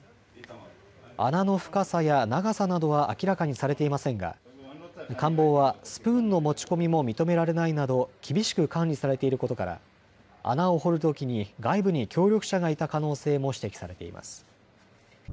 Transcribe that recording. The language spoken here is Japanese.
穴の深さや長さなどは明らかにされていませんが監房はスプーンの持ち込みも認められないなど厳しく管理されていることから穴を掘るときに外部に協力者がいた可能性も指摘されています。